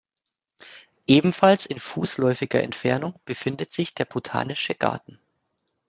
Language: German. Ebenfalls in fußläufiger Entfernung befindet sich der botanische Garten.